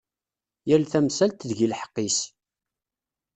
Yal tamsalt, deg-i lḥeqq-is.